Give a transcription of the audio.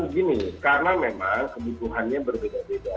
begini karena memang kebutuhannya berbeda beda